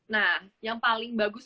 nah yang paling bagus